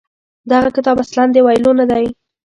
دغه کتاب اصلاً د ویلو نه دی.